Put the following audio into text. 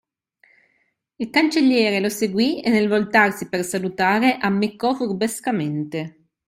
Il cancelliere lo seguì e nel voltarsi per salutare, ammiccò furbescamente.